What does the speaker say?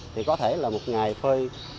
thì có thể là một ngày phơi